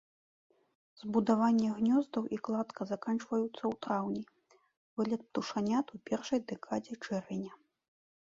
Збудаванне гнёздаў і кладка заканчваюцца ў траўні, вылет птушанят у першай дэкадзе чэрвеня.